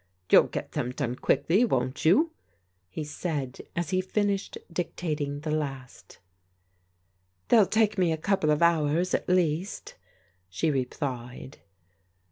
" You'll get them done quickly, won't you? '* he said as he finished dictating the last. " They'll take me a couple of hours at least/* she re plied.